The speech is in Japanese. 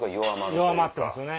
弱まってますね。